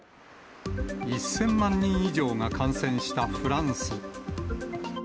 １０００万人以上が感染したフランス。